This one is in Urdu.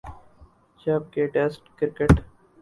جب کہ ٹیسٹ کرکٹ